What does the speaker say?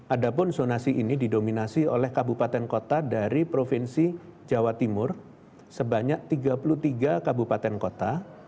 ada pun zonasi ini didominasi oleh kabupaten kota dari provinsi jawa timur sebanyak tiga puluh tiga kabupaten kota